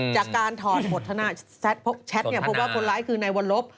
จากการถอดบททนาแชทพบว่าคนร้ายคือในวันลบ